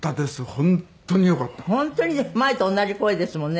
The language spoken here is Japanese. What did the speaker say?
本当にね前と同じ声ですもんね